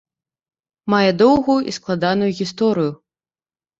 Мае доўгую і складаную гісторыю.